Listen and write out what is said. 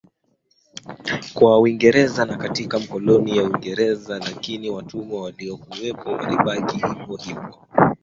kwa Waingereza na katika makoloni ya Uingereza lakini watumwa waliokuwepo walibaki hivohivo